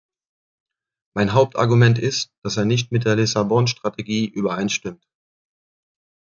Mein Hauptargument ist, dass er nicht mit der Lissabon-Strategie übereinstimmt.